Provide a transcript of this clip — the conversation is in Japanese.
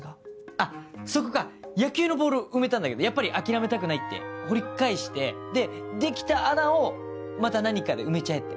あっそこか野球のボールを埋めたんだけどやっぱり諦めたくないって掘り返してでできた穴をまた何かで埋めちゃえって。